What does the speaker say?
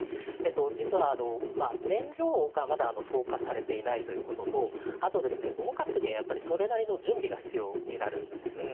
実は、燃料がまだ装荷されていないということとあとですね、動かすにはそれなりの準備が必要になるんですね。